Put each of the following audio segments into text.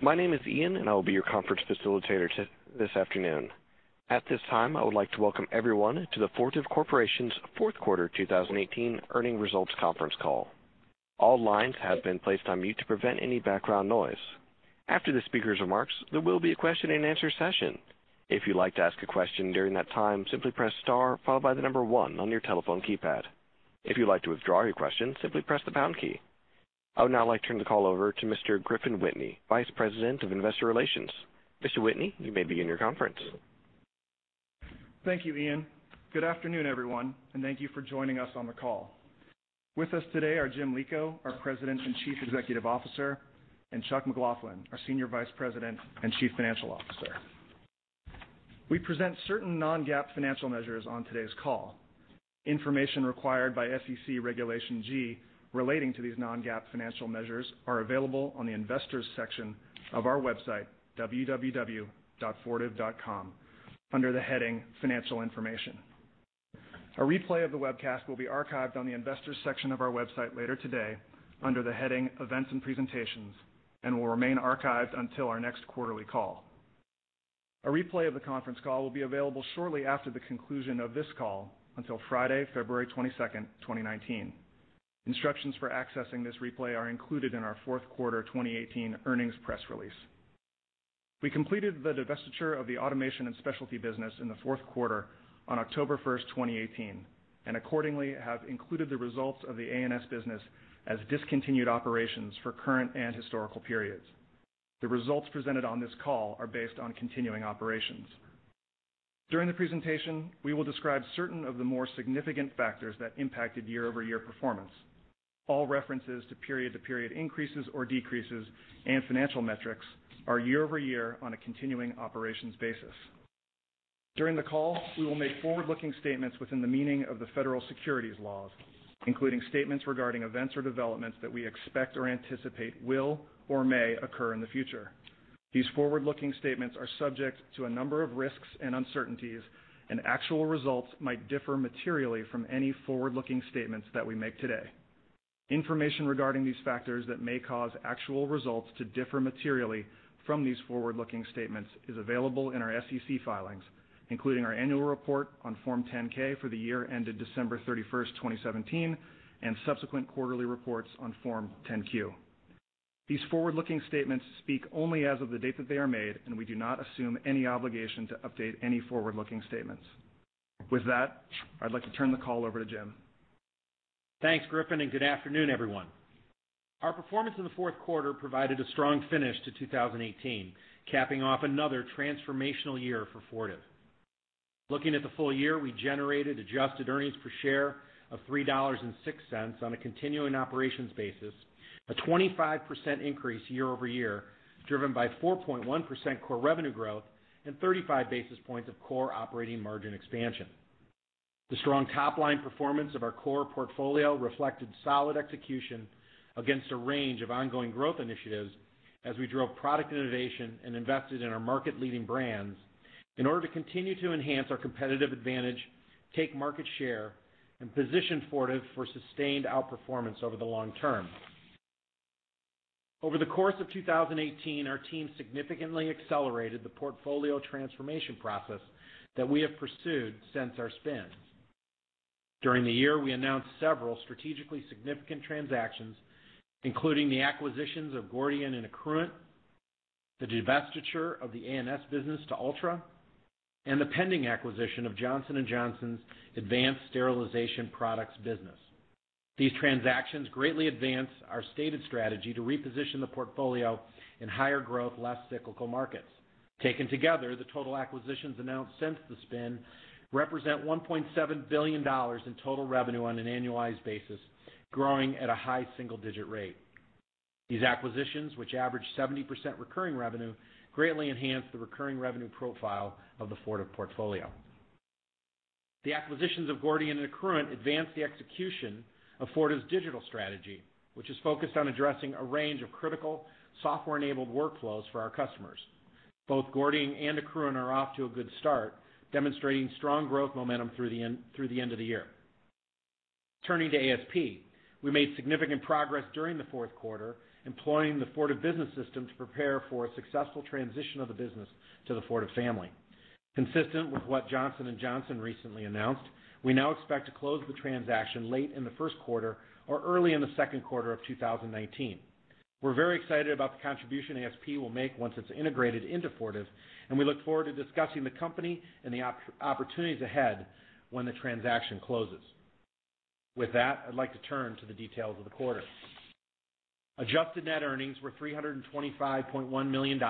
My name is Ian, and I will be your conference facilitator this afternoon. At this time, I would like to welcome everyone to the Fortive Corporation's Fourth Quarter 2018 Earning Results Conference Call. All lines have been placed on mute to prevent any background noise. After the speaker's remarks, there will be a question-and-answer session. If you'd like to ask a question during that time, simply press star followed by the number one on your telephone keypad. If you'd like to withdraw your question, simply press the pound key. I would now like to turn the call over to Mr. Griffin Whitney, Vice President of Investor Relations. Mr. Whitney, you may begin your conference. Thank you, Ian. Good afternoon, everyone, and thank you for joining us on the call. With us today are Jim Lico, our President and Chief Executive Officer, and Chuck McLaughlin, our Senior Vice President and Chief Financial Officer. We present certain non-GAAP financial measures on today's call. Information required by SEC Regulation G relating to these non-GAAP financial measures are available on the investors section of our website, www.fortive.com, under the heading Financial Information. A replay of the webcast will be archived on the investors section of our website later today under the heading Events and Presentations and will remain archived until our next quarterly call. A replay of the conference call will be available shortly after the conclusion of this call until Friday, February 22nd, 2019. Instructions for accessing this replay are included in our fourth quarter 2018 earnings press release. We completed the divestiture of the Automation & Specialty business in the fourth quarter on October 1st, 2018, and accordingly, have included the results of the A&S business as discontinued operations for current and historical periods. The results presented on this call are based on continuing operations. During the presentation, we will describe certain of the more significant factors that impacted year-over-year performance. All references to period-to-period increases or decreases and financial metrics are year-over-year on a continuing operations basis. During the call, we will make forward-looking statements within the meaning of the federal securities laws, including statements regarding events or developments that we expect or anticipate will or may occur in the future. These forward-looking statements are subject to a number of risks and uncertainties, and actual results might differ materially from any forward-looking statements that we make today. Information regarding these factors that may cause actual results to differ materially from these forward-looking statements is available in our SEC filings, including our annual report on Form 10-K for the year ended December 31st, 2017, and subsequent quarterly reports on Form 10-Q. These forward-looking statements speak only as of the date that they are made, and we do not assume any obligation to update any forward-looking statements. With that, I'd like to turn the call over to Jim. Thanks, Griffin, and good afternoon, everyone. Our performance in the fourth quarter provided a strong finish to 2018, capping off another transformational year for Fortive. Looking at the full year, we generated adjusted earnings per share of $3.06 on a continuing operations basis, a 25% increase year-over-year, driven by 4.1% core revenue growth and 35 basis points of core operating margin expansion. The strong top-line performance of our core portfolio reflected solid execution against a range of ongoing growth initiatives as we drove product innovation and invested in our market-leading brands in order to continue to enhance our competitive advantage, take market share, and position Fortive for sustained outperformance over the long term. Over the course of 2018, our team significantly accelerated the portfolio transformation process that we have pursued since our spin. During the year, we announced several strategically significant transactions, including the acquisitions of Gordian and Accruent, the divestiture of the A&S business to Altra, and the pending acquisition of Johnson & Johnson's Advanced Sterilization Products business. These transactions greatly advance our stated strategy to reposition the portfolio in higher growth, less cyclical markets. Taken together, the total acquisitions announced since the spin represent $1.7 billion in total revenue on an annualized basis, growing at a high single-digit rate. These acquisitions, which average 70% recurring revenue, greatly enhance the recurring revenue profile of the Fortive portfolio. The acquisitions of Gordian and Accruent advance the execution of Fortive's digital strategy, which is focused on addressing a range of critical software-enabled workflows for our customers. Both Gordian and Accruent are off to a good start, demonstrating strong growth momentum through the end of the year. Turning to ASP, we made significant progress during the fourth quarter, employing the Fortive Business System to prepare for a successful transition of the business to the Fortive family. Consistent with what Johnson & Johnson recently announced, we now expect to close the transaction late in the first quarter or early in the second quarter of 2019. We're very excited about the contribution ASP will make once it's integrated into Fortive, and we look forward to discussing the company and the opportunities ahead when the transaction closes. With that, I'd like to turn to the details of the quarter. Adjusted net earnings were $325.1 million,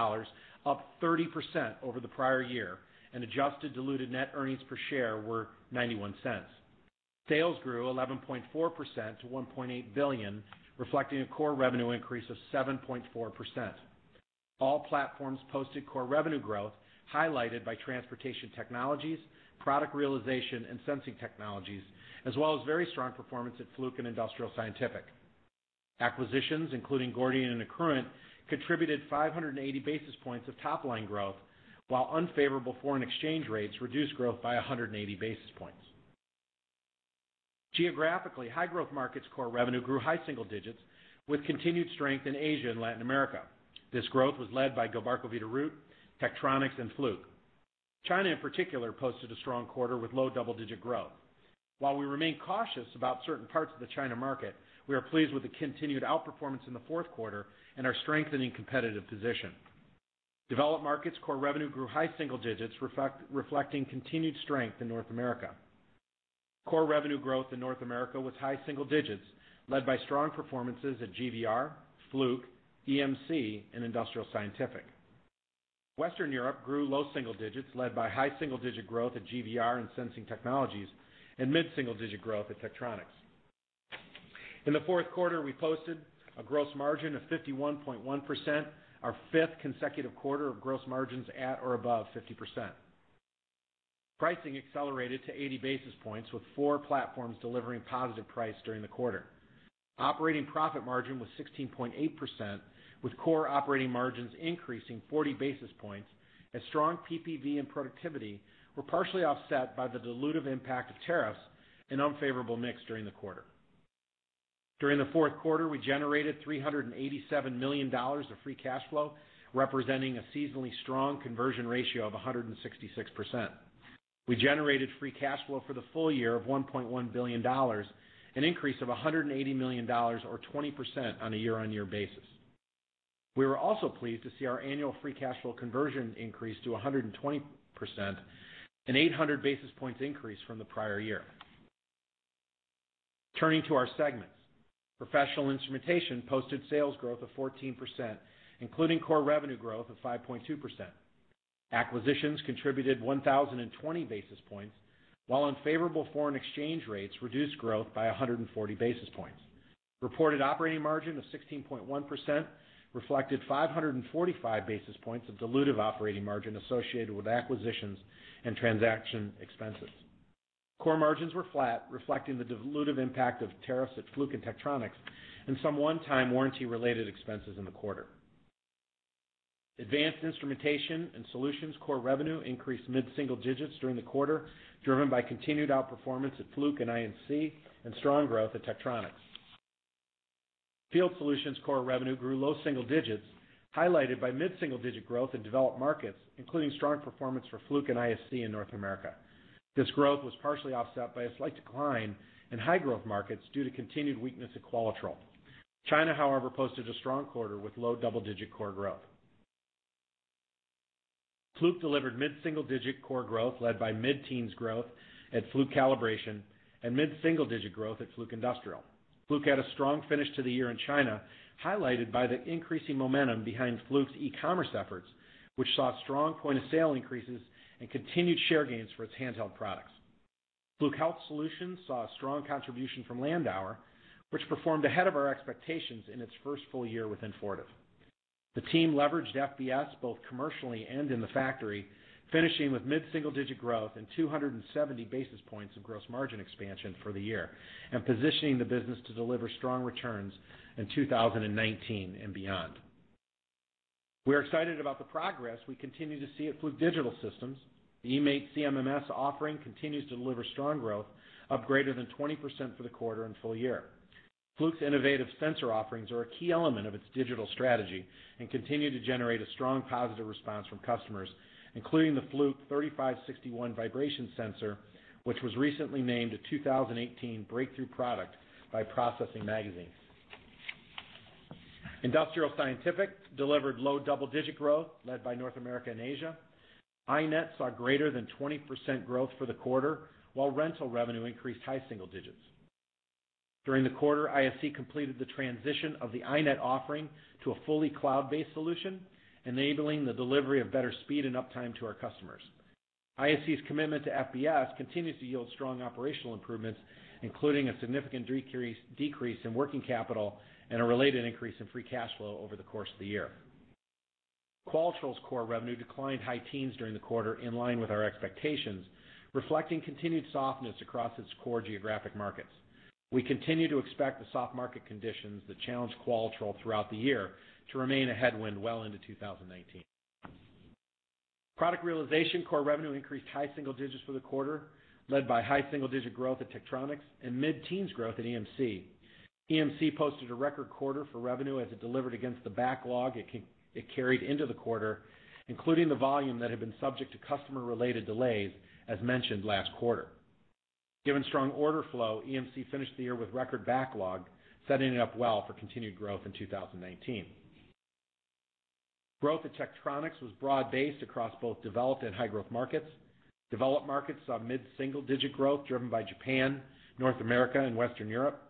up 30% over the prior year, and adjusted diluted net earnings per share were $0.91. Sales grew 11.4% to $1.8 billion, reflecting a core revenue increase of 7.4%. All platforms posted core revenue growth, highlighted by Transportation Technologies, Product Realization, and Sensing Technologies, as well as very strong performance at Fluke and Industrial Scientific. Acquisitions, including Gordian and Accruent, contributed 580 basis points of top-line growth, while unfavorable foreign exchange rates reduced growth by 180 basis points. Geographically, high-growth markets core revenue grew high single digits with continued strength in Asia and Latin America. This growth was led by Gilbarco Veeder-Root, Tektronix, and Fluke. China, in particular, posted a strong quarter with low double-digit growth. While we remain cautious about certain parts of the China market, we are pleased with the continued outperformance in the fourth quarter and our strengthening competitive position. Developed markets core revenue grew high single digits, reflecting continued strength in North America. Core revenue growth in North America was high single digits, led by strong performances at GVR, Fluke, EMC, and Industrial Scientific. Western Europe grew low single digits, led by high single-digit growth at GVR and Sensing Technologies, and mid-single-digit growth at Tektronix. In the fourth quarter, we posted a gross margin of 51.1%, our fifth consecutive quarter of gross margins at or above 50%. Pricing accelerated to 80 basis points with four platforms delivering positive price during the quarter. Operating profit margin was 16.8%, with core operating margins increasing 40 basis points as strong PPV and productivity were partially offset by the dilutive impact of tariffs and unfavorable mix during the quarter. During the fourth quarter, we generated $387 million of free cash flow, representing a seasonally strong conversion ratio of 166%. We generated free cash flow for the full year of $1.1 billion, an increase of $180 million or 20% on a year-on-year basis. We were also pleased to see our annual free cash flow conversion increase to 120%, an 800 basis points increase from the prior year. Turning to our segments. Professional Instrumentation posted sales growth of 14%, including core revenue growth of 5.2%. Acquisitions contributed 1,020 basis points, while unfavorable foreign exchange rates reduced growth by 140 basis points. Reported operating margin of 16.1% reflected 545 basis points of dilutive operating margin associated with acquisitions and transaction expenses. Core margins were flat, reflecting the dilutive impact of tariffs at Fluke and Tektronix and some one-time warranty-related expenses in the quarter. Advanced Instrumentation and Solutions core revenue increased mid-single digits during the quarter, driven by continued outperformance at Fluke and ISC, and strong growth at Tektronix. Field Solutions core revenue grew low single digits, highlighted by mid-single-digit growth in developed markets, including strong performance for Fluke and ISC in North America. This growth was partially offset by a slight decline in high-growth markets due to continued weakness at Qualitrol. China, however, posted a strong quarter with low double-digit core growth. Fluke delivered mid-single-digit core growth, led by mid-teens growth at Fluke Calibration and mid-single-digit growth at Fluke Industrial. Fluke had a strong finish to the year in China, highlighted by the increasing momentum behind Fluke's e-commerce efforts, which saw strong point-of-sale increases and continued share gains for its handheld products. Fluke Health Solutions saw a strong contribution from Landauer, which performed ahead of our expectations in its first full year within Fortive. The team leveraged FBS both commercially and in the factory, finishing with mid-single-digit growth and 270 basis points of gross margin expansion for the year and positioning the business to deliver strong returns in 2019 and beyond. We're excited about the progress we continue to see at Fluke Digital Systems. The eMaint CMMS offering continues to deliver strong growth, up greater than 20% for the quarter and full year. Fluke's innovative sensor offerings are a key element of its digital strategy and continue to generate a strong positive response from customers, including the Fluke 3561 vibration sensor, which was recently named a 2018 Breakthrough Product by Processing Magazine. Industrial Scientific delivered low double-digit growth led by North America and Asia. iNet saw greater than 20% growth for the quarter, while rental revenue increased high single digits. During the quarter, ISC completed the transition of the iNet offering to a fully cloud-based solution, enabling the delivery of better speed and uptime to our customers. ISC's commitment to FBS continues to yield strong operational improvements, including a significant decrease in working capital and a related increase in free cash flow over the course of the year. Qualitrol's core revenue declined high teens during the quarter, in line with our expectations, reflecting continued softness across its core geographic markets. We continue to expect the soft market conditions that challenged Qualitrol throughout the year to remain a headwind well into 2019. Product realization core revenue increased high single digits for the quarter, led by high single-digit growth at Tektronix and mid-teens growth at EMC. EMC posted a record quarter for revenue as it delivered against the backlog it carried into the quarter, including the volume that had been subject to customer-related delays as mentioned last quarter. Given strong order flow, EMC finished the year with record backlog, setting it up well for continued growth in 2019. Growth at Tektronix was broad-based across both developed and high-growth markets. Developed markets saw mid-single-digit growth driven by Japan, North America, and Western Europe.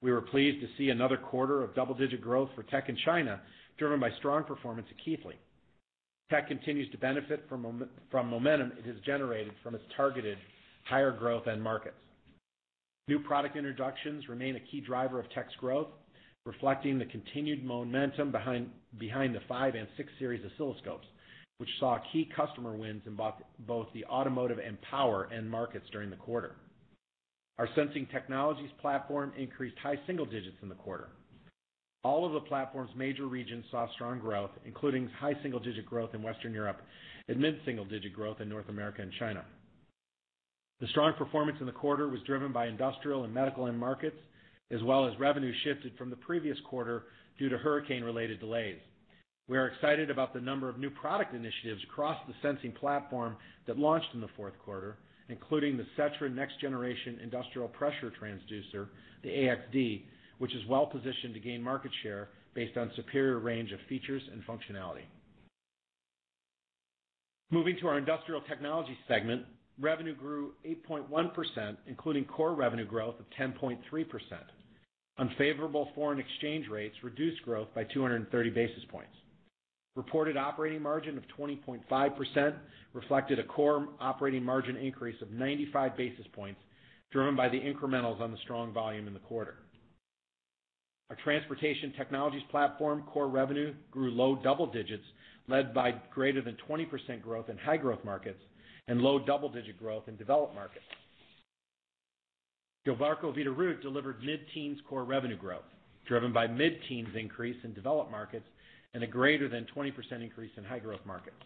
We were pleased to see another quarter of double-digit growth for Tech in China, driven by strong performance at Keithley. Tech continues to benefit from momentum it has generated from its targeted higher-growth end markets. New product introductions remain a key driver of Tech's growth, reflecting the continued momentum behind the five and six series oscilloscopes, which saw key customer wins in both the automotive and power end markets during the quarter. Our Sensing Technologies platform increased high single digits in the quarter. All of the platform's major regions saw strong growth, including high single-digit growth in Western Europe and mid-single-digit growth in North America and China. The strong performance in the quarter was driven by industrial and medical end markets, as well as revenue shifted from the previous quarter due to hurricane-related delays. We are excited about the number of new product initiatives across the sensing platform that launched in the fourth quarter, including the Setra next-generation industrial pressure transducer, the AXD, which is well positioned to gain market share based on superior range of features and functionality. Moving to our industrial technology segment, revenue grew 8.1%, including core revenue growth of 10.3%. Unfavorable foreign exchange rates reduced growth by 230 basis points. Reported operating margin of 20.5% reflected a core operating margin increase of 95 basis points, driven by the incrementals on the strong volume in the quarter. Our transportation technologies platform core revenue grew low double digits, led by greater than 20% growth in high-growth markets and low double-digit growth in developed markets. Gilbarco Veeder-Root delivered mid-teens core revenue growth, driven by mid-teens increase in developed markets and a greater than 20% increase in high-growth markets.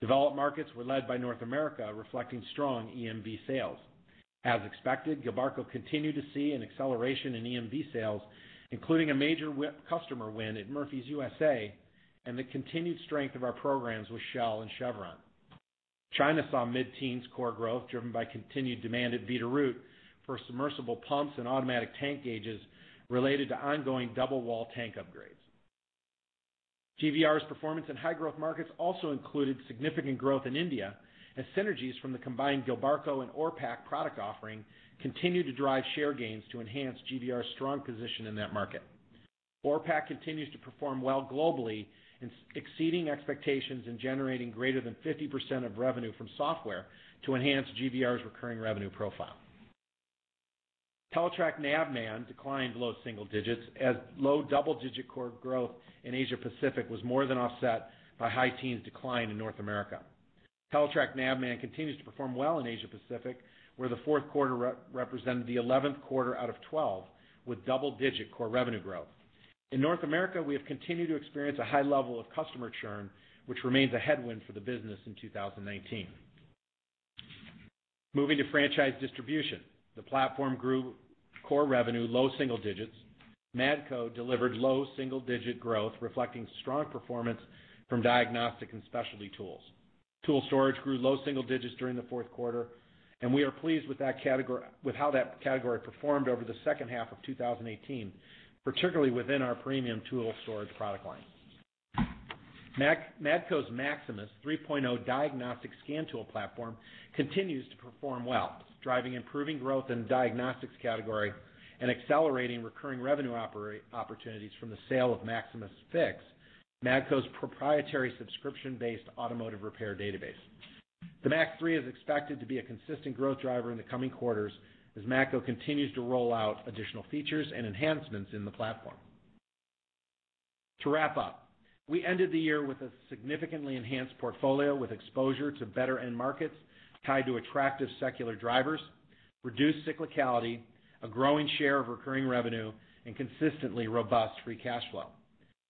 Developed markets were led by North America, reflecting strong EMV sales. As expected, Gilbarco continued to see an acceleration in EMV sales, including a major customer win at Murphy USA and the continued strength of our programs with Shell and Chevron. China saw mid-teens core growth driven by continued demand at Veeder-Root for submersible pumps and automatic tank gauges related to ongoing double wall tank upgrades. GVR's performance in high-growth markets also included significant growth in India as synergies from the combined Gilbarco and Orpak product offering continue to drive share gains to enhance GVR's strong position in that market. Orpak continues to perform well globally, exceeding expectations and generating greater than 50% of revenue from software to enhance GVR's recurring revenue profile. Teletrac Navman declined low single digits as low double-digit core growth in Asia-Pacific was more than offset by high teens decline in North America. Teletrac Navman continues to perform well in Asia-Pacific, where the fourth quarter represented the 11th quarter out of 12 with double-digit core revenue growth. In North America, we have continued to experience a high level of customer churn, which remains a headwind for the business in 2019. Moving to franchise distribution. The platform grew core revenue low single digits. Matco delivered low single-digit growth reflecting strong performance from diagnostic and specialty tools. Tool storage grew low single digits during the fourth quarter, and we are pleased with how that category performed over the second half of 2018, particularly within our premium tool storage product line. Matco's Maximus 3.0 diagnostic scan tool platform continues to perform well, driving improving growth in the diagnostics category and accelerating recurring revenue opportunities from the sale of MaximusFix, Matco's proprietary subscription-based automotive repair database. The Max 3 is expected to be a consistent growth driver in the coming quarters as Matco continues to roll out additional features and enhancements in the platform. To wrap up, we ended the year with a significantly enhanced portfolio with exposure to better end markets tied to attractive secular drivers, reduced cyclicality, a growing share of recurring revenue, and consistently robust free cash flow.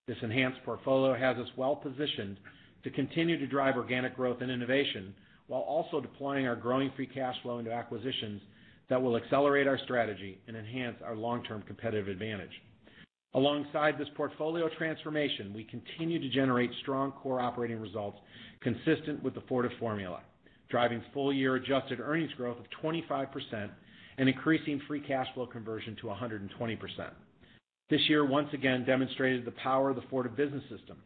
This enhanced portfolio has us well positioned to continue to drive organic growth and innovation while also deploying our growing free cash flow into acquisitions that will accelerate our strategy and enhance our long-term competitive advantage. Alongside this portfolio transformation, we continue to generate strong core operating results consistent with the Fortive formula, driving full-year adjusted earnings growth of 25% and increasing free cash flow conversion to 120%. This year once again demonstrated the power of the Fortive Business System,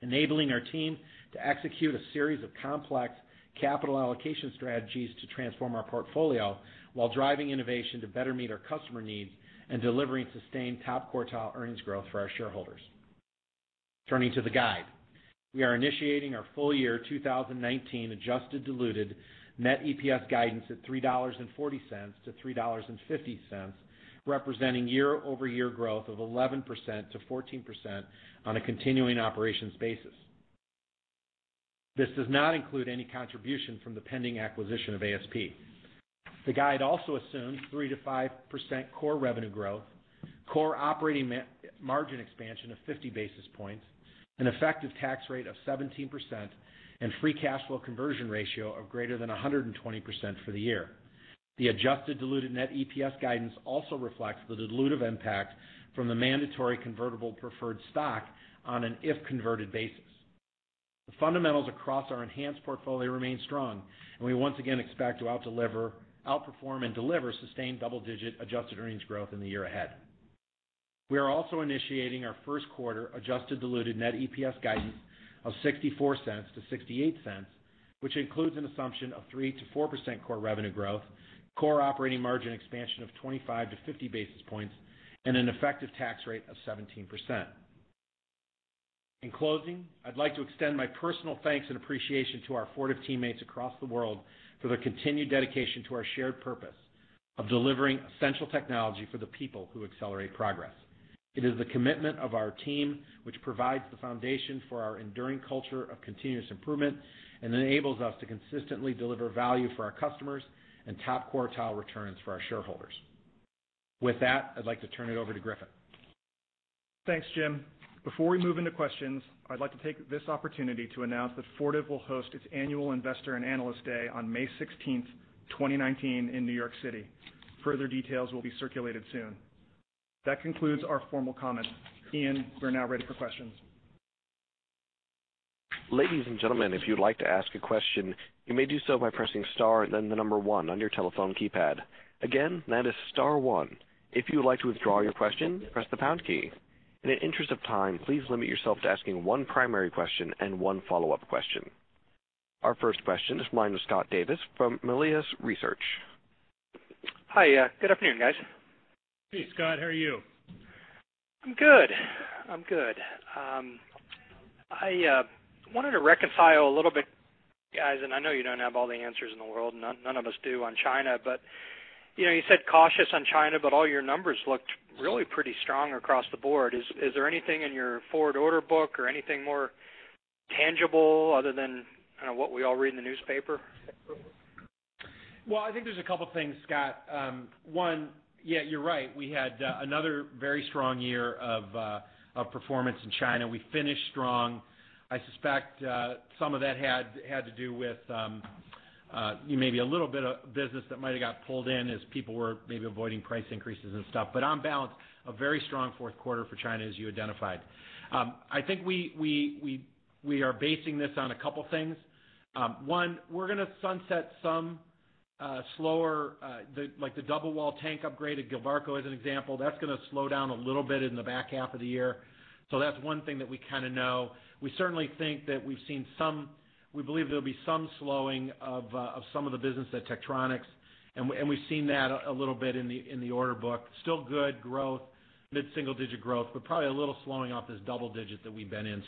enabling our team to execute a series of complex capital allocation strategies to transform our portfolio while driving innovation to better meet our customer needs and delivering sustained top-quartile earnings growth for our shareholders. Turning to the guide. We are initiating our full year 2019 adjusted diluted net EPS guidance at $3.40-$3.50, representing year-over-year growth of 11% to 14% on a continuing operations basis. This does not include any contribution from the pending acquisition of ASP. The guide also assumes 3%-5% core revenue growth, core operating margin expansion of 50 basis points, an effective tax rate of 17%, and free cash flow conversion ratio of greater than 120% for the year. The adjusted diluted net EPS guidance also reflects the dilutive impact from the mandatory convertible preferred stock on an if converted basis. The fundamentals across our enhanced portfolio remain strong, and we once again expect to outperform and deliver sustained double-digit adjusted earnings growth in the year ahead. We are also initiating our first quarter adjusted diluted net EPS guidance of $0.64-$0.68, which includes an assumption of 3% to 4% core revenue growth, core operating margin expansion of 25 basis points to 50 basis points, and an effective tax rate of 17%. In closing, I'd like to extend my personal thanks and appreciation to our Fortive teammates across the world for their continued dedication to our shared purpose of delivering essential technology for the people who accelerate progress. It is the commitment of our team which provides the foundation for our enduring culture of continuous improvement, and enables us to consistently deliver value for our customers and top quartile returns for our shareholders. With that, I'd like to turn it over to Griffin. Thanks, Jim. Before we move into questions, I'd like to take this opportunity to announce that Fortive will host its Annual Investor and Analyst Day on May 16th, 2019 in New York City. Further details will be circulated soon. That concludes our formal comments. Ian, we're now ready for questions. Ladies and gentlemen, if you'd like to ask a question, you may do so by pressing star and then the number one on your telephone keypad. Again, that is star one. If you would like to withdraw your question, press the pound key. In the interest of time, please limit yourself to asking one primary question and one follow-up question. Our first question is the line of Scott Davis from Melius Research. Hi. Good afternoon, guys. Hey, Scott. How are you? I'm good. I wanted to reconcile a little bit, guys, and I know you don't have all the answers in the world, none of us do on China, but you said cautious on China, but all your numbers looked really pretty strong across the board. Is there anything in your forward order book or anything more tangible other than what we all read in the newspaper? Well, I think there's a couple things, Scott. One, yeah, you're right. We had another very strong year of performance in China. We finished strong. I suspect some of that had to do with maybe a little bit of business that might've got pulled in as people were maybe avoiding price increases and stuff. On balance, a very strong fourth quarter for China as you identified. I think we are basing this on a couple things. One, we're going to sunset some slower, like the double wall tank upgrade at Gilbarco as an example. That's going to slow down a little bit in the back half of the year. That's one thing that we kind of know. We certainly think that we believe there'll be some slowing of some of the business at Tektronix, and we've seen that a little bit in the order book. Still good growth, mid-single-digit growth, probably a little slowing off this double-digit that we've been in.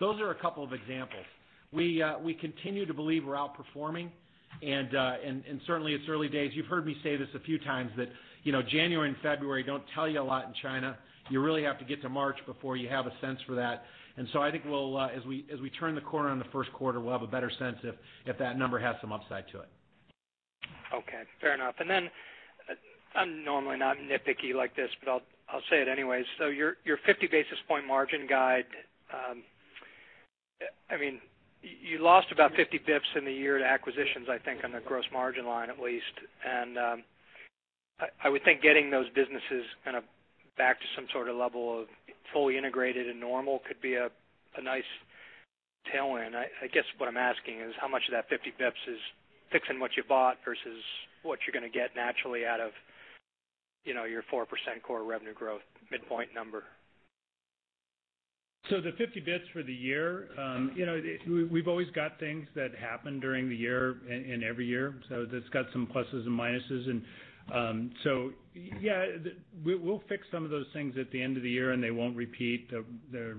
Those are a couple of examples. We continue to believe we're outperforming, certainly it's early days. You've heard me say this a few times that January and February don't tell you a lot in China. You really have to get to March before you have a sense for that. I think as we turn the corner on the first quarter, we'll have a better sense if that number has some upside to it. Okay, fair enough. Then, I'm normally not nitpicky like this, I'll say it anyway. Your 50 basis point margin guide. You lost about 50 basis points in the year to acquisitions, I think on the gross margin line at least. I would think getting those businesses kind of back to some sort of level of fully integrated and normal could be a nice tailwind. I guess what I'm asking is how much of that 50 basis points is fixing what you bought versus what you're going to get naturally out of your 4% core revenue growth midpoint number. The 50 basis points for the year. We've always got things that happen during the year, in every year. That's got some pluses and minuses. Yeah, we'll fix some of those things at the end of the year, they won't repeat. There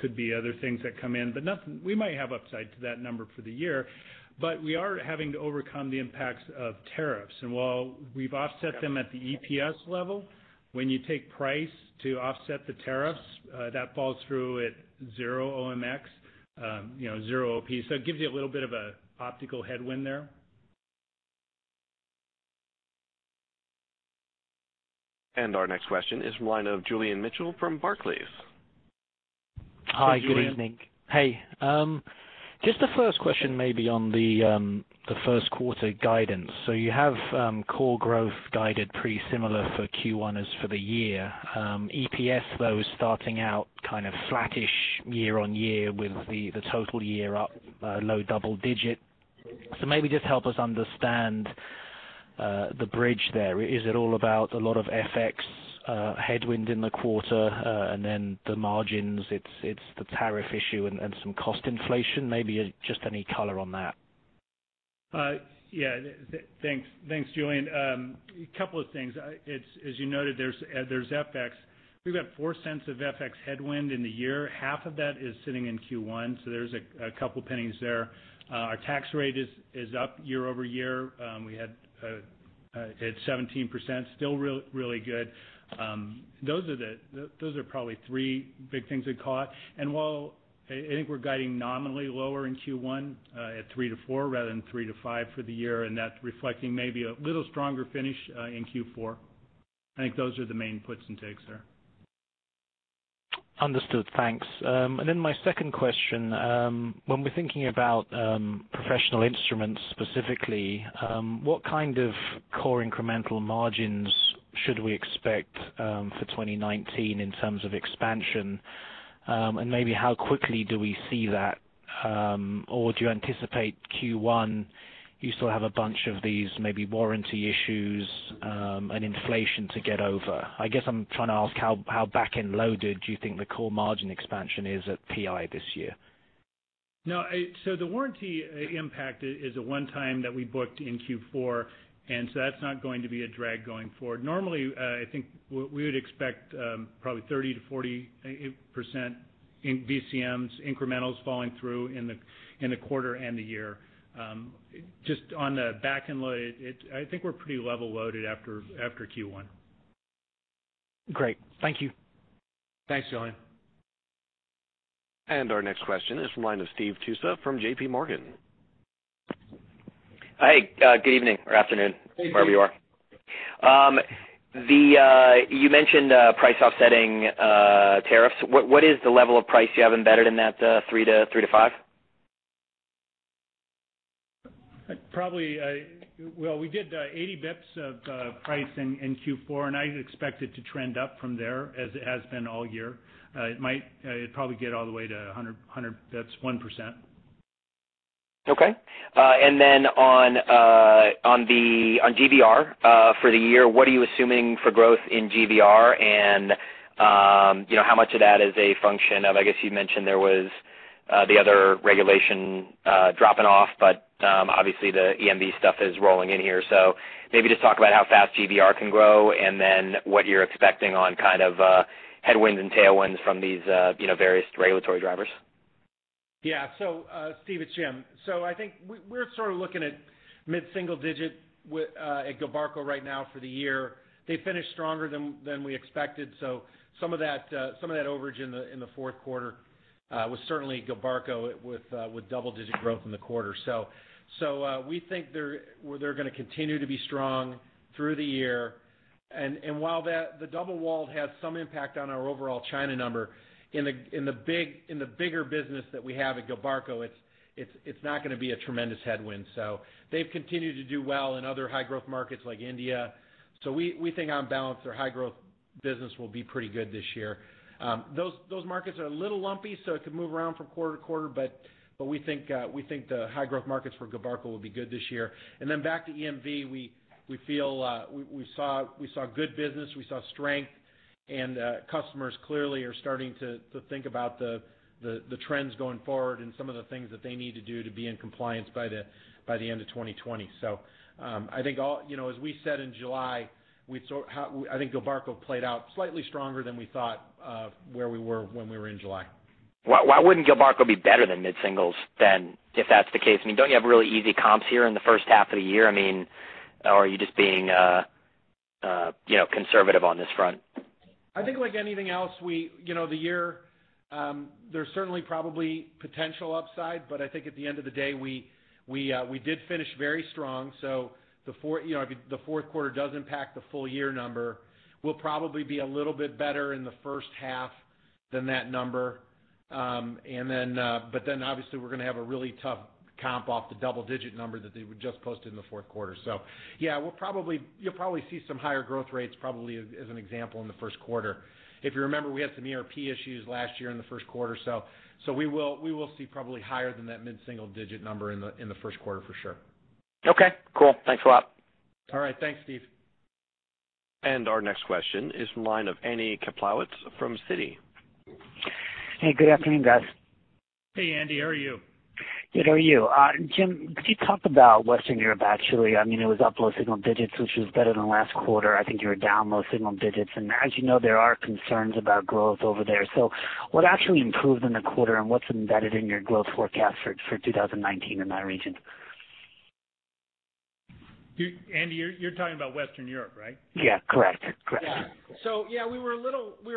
could be other things that come in. We might have upside to that number for the year, we are having to overcome the impacts of tariffs. While we've offset them at the EPS level, when you take price to offset the tariffs, that falls through at zero OMX, zero OP. It gives you a little bit of an optical headwind there. Our next question is from the line of Julian Mitchell from Barclays. Hi, good evening. Hey. Just the first question, maybe on the first quarter guidance. You have core growth guided pretty similar for Q1 as for the year. EPS, though, is starting out kind of flattish year-over-year with the total year up low double-digit. Maybe just help us understand the bridge there. Is it all about a lot of FX headwind in the quarter, and then the margins, it's the tariff issue and some cost inflation? Maybe just any color on that. Yeah. Thanks, Julian. A couple of things. As you noted, there's FX. We've got $0.04 of FX headwind in the year. Half of that is sitting in Q1, so there's a couple pennies there. Our tax rate is up year-over-year. We had it 17%, still really good. Those are probably three big things we caught. While I think we're guiding nominally lower in Q1 at 3%-4%, rather than 3%-5% for the year, and that's reflecting maybe a little stronger finish in Q4. I think those are the main puts and takes there. Understood. Thanks. My second question. When we're thinking about professional instruments specifically, what kind of core incremental margins should we expect for 2019 in terms of expansion? Maybe how quickly do we see that? Do you anticipate Q1 you still have a bunch of these, maybe warranty issues, and inflation to get over? I guess I'm trying to ask how back-end loaded do you think the core margin expansion is at PI this year? No. The warranty impact is a one-time that we booked in Q4, that's not going to be a drag going forward. Normally, I think we would expect probably 30%-40% in VCM's incrementals falling through in the quarter and the year. Just on the back end load, I think we're pretty level loaded after Q1. Great. Thank you. Thanks, Julian. Our next question is from the line of Steve Tusa from J.P. Morgan. Hi, good evening or afternoon wherever you are. You mentioned price offsetting tariffs. What is the level of price you have embedded in that 3%-5%? Well, we did 80 basis points of price in Q4, and I expect it to trend up from there as it has been all year. It might probably get all the way to 100 basis points. That's 1%. Okay. Then on GVR for the year, what are you assuming for growth in GVR? How much of that is a function of, I guess you mentioned there was the other regulation dropping off, obviously the EMV stuff is rolling in here, maybe just talk about how fast GVR can grow and then what you're expecting on kind of headwinds and tailwinds from these various regulatory drivers. Yeah. Steve, it's Jim. I think we're sort of looking at mid-single digit at Gilbarco right now for the year. They finished stronger than we expected. Some of that overage in the fourth quarter was certainly Gilbarco with double-digit growth in the quarter. We think they're going to continue to be strong through the year. While the double wall had some impact on our overall China number, in the bigger business that we have at Gilbarco, it's not going to be a tremendous headwind. They've continued to do well in other high-growth markets like India. We think on balance, their high-growth business will be pretty good this year. Those markets are a little lumpy, so it could move around from quarter to quarter, we think the high-growth markets for Gilbarco will be good this year. Then back to EMV, we saw good business, we saw strength, and customers clearly are starting to think about the trends going forward and some of the things that they need to do to be in compliance by the end of 2020. I think as we said in July, I think Gilbarco played out slightly stronger than we thought where we were when we were in July. Why wouldn't Gilbarco be better than mid-singles then, if that's the case? I mean, don't you have really easy comps here in the first half of the year? I mean, are you just being conservative on this front? I think like anything else, the year, there's certainly probably potential upside. I think at the end of the day, we did finish very strong, so the fourth quarter does impact the full-year number. We'll probably be a little bit better in the first half than that number. Obviously we're going to have a really tough comp off the double-digit number that they would just post in the fourth quarter. Yeah, you'll probably see some higher growth rates, probably as an example, in the first quarter. If you remember, we had some ERP issues last year in the first quarter, so we will see probably higher than that mid-single digit number in the first quarter for sure. Okay, cool. Thanks a lot. All right. Thanks, Steve. Our next question is from the line of Andy Kaplowitz from Citi. Hey, good afternoon, guys. Hey, Andy, how are you? Good, how are you? Jim, could you talk about Western Europe, actually? I mean, it was up low single digits, which was better than last quarter. I think you were down low single digits. As you know, there are concerns about growth over there. What actually improved in the quarter, and what's embedded in your growth forecast for 2019 in that region? Andy, you're talking about Western Europe, right? Yeah, correct. Yeah. We were a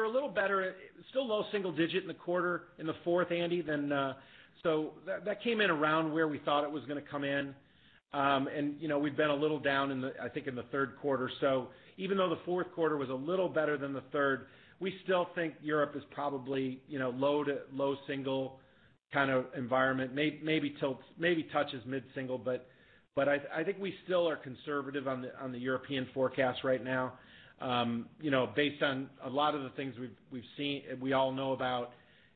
little better. Still low single-digit in the quarter, in the fourth, Andy. That came in around where we thought it was going to come in. We'd been a little down, I think, in the third quarter. Even though the fourth quarter was a little better than the third, we still think Europe is probably low single-digit kind of environment. Maybe touches mid-single-digit, I think we still are conservative on the European forecast right now based on a lot of the things we all know about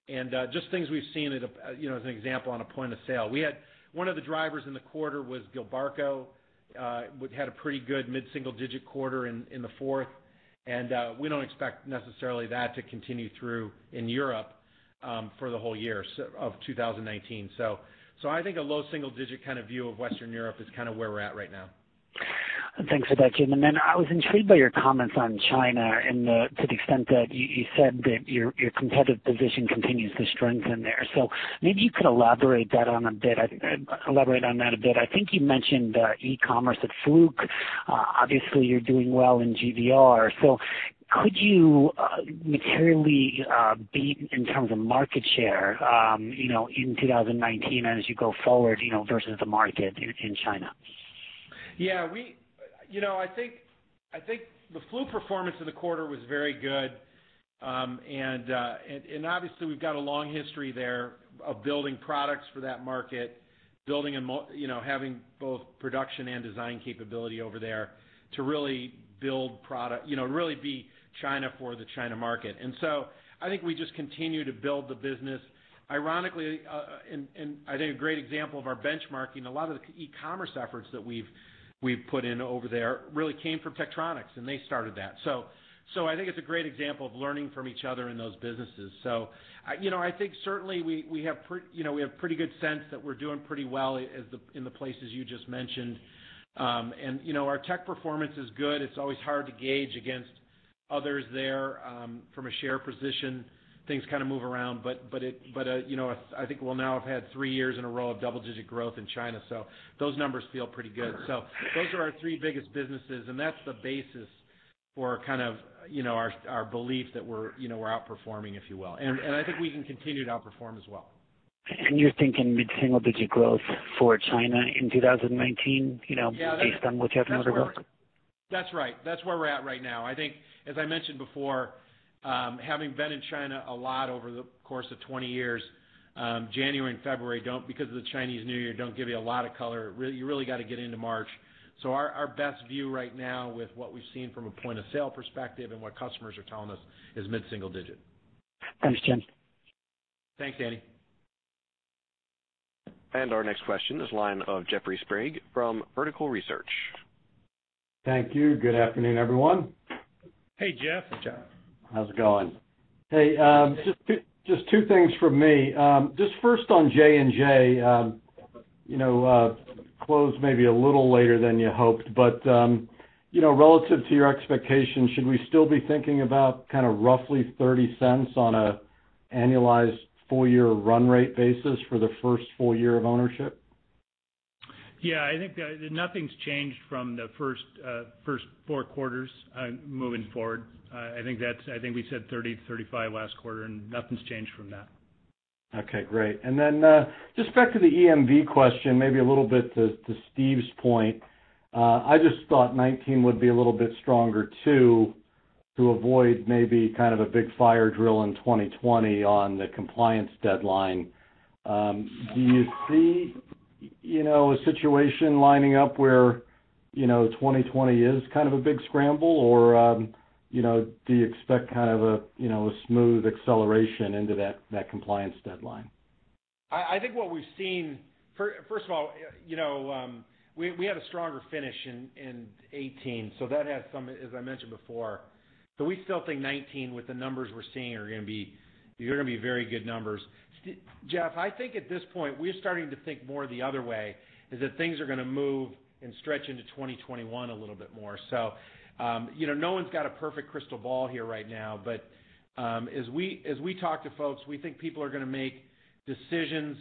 and just things we've seen as an example on a point of sale. One of the drivers in the quarter was Gilbarco. We had a pretty good mid-single-digit quarter in the fourth, and we don't expect necessarily that to continue through in Europe for the whole year of 2019. I think a low single-digit kind of view of Western Europe is kind of where we're at right now. Thanks for that, Jim. I was intrigued by your comments on China to the extent that you said that your competitive position continues to strengthen there. Maybe you could elaborate on that a bit. I think you mentioned e-commerce at Fluke. Obviously, you're doing well in GVR. Could you materially beat in terms of market share in 2019 as you go forward versus the market in China? Yeah. I think the Fluke performance of the quarter was very good. Obviously, we've got a long history there of building products for that market, having both production and design capability over there to really build product, really be China for the China market. I think we just continue to build the business. Ironically, I think a great example of our benchmarking, a lot of the e-commerce efforts that we've put in over there really came from Tektronix, and they started that. I think it's a great example of learning from each other in those businesses. I think certainly we have pretty good sense that we're doing pretty well in the places you just mentioned. Our tech performance is good. It's always hard to gauge against others there from a share position. Things kind of move around, but you know I think we'll now have had three years in a row of double-digit growth in China. Those numbers feel pretty good. Those are our three biggest businesses, and that's the basis for kind of our belief that we're outperforming, if you will. I think we can continue to outperform as well. You're thinking mid-single digit growth for China in 2019, based on what you have under growth? That's right. That's where we're at right now. I think, as I mentioned before, having been in China a lot over the course of 20 years, January and February, because of the Chinese New Year, don't give you a lot of color. You really got to get into March. Our best view right now with what we've seen from a point-of-sale perspective and what customers are telling us is mid-single digit. Understood. Thanks, Andy. Our next question is line of Jeffrey Sprague from Vertical Research. Thank you. Good afternoon, everyone. Hey, Jeff. Jeff. How's it going? Hey, just two things from me. Just first on J&J. Closed maybe a little later than you hoped, but, relative to your expectations, should we still be thinking about kind of roughly $0.30 on an annualized full-year run rate basis for the first full year of ownership? Yeah, I think nothing's changed from the first four quarters moving forward. I think we said $0.30-$0.35 last quarter, and nothing's changed from that. Okay, great. Just back to the EMV question, maybe a little bit to Steve's point. I just thought 2019 would be a little bit stronger too, to avoid maybe kind of a big fire drill in 2020 on the compliance deadline. Do you see a situation lining up where 2020 is kind of a big scramble? Do you expect kind of a smooth acceleration into that compliance deadline? I think what we've seen, first of all, we had a stronger finish in 2018, as I mentioned before, but we still think 2019, with the numbers we're seeing, these are going to be very good numbers. Jeff, I think at this point, we're starting to think more the other way, is that things are going to move and stretch into 2021 a little bit more. No one's got a perfect crystal ball here right now, but as we talk to folks, we think people are going to make decisions